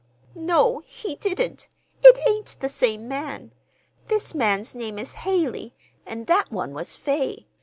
"No, he didn't. It ain't the same man. This man's name is Haley, and that one was Fay.